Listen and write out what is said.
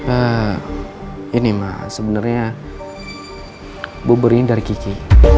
eh ini ma sebenernya bubur ini dari kiki